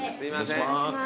お願いします。